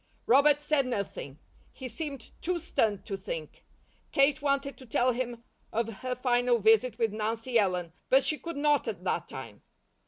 Robert said nothing. He seemed too stunned to think. Kate wanted to tell him of her final visit with Nancy Ellen, but she could not at that time.